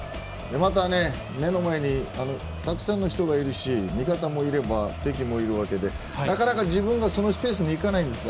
またね目の前にたくさんの人がいるし味方もいれば敵もいるわけでなかなか自分がそのスペースに行かないんです。